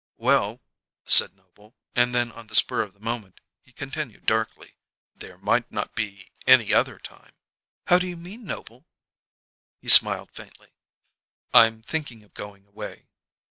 "Well," said Noble, and then on the spur of the moment he continued darkly: "There might not be any other time." "How do you mean, Noble?" He smiled faintly. "I'm thinking of going away."